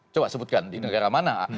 coba sebutkan di negara mana